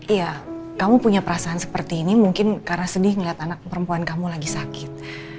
iya kamu punya perasaan seperti ini mungkin karena sedih melihat anak perempuan kamu lagi sakit